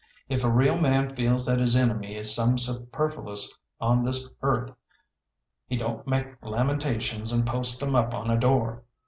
If a real man feels that his enemy is some superfluous on this earth, he don't make lamentations and post 'em up on a door.